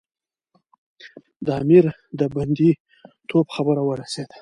د امیر د بندي توب خبره ورسېده.